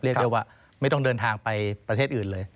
เรียกได้ว่าไม่ต้องเดินทางไปประเทศอื่นเลย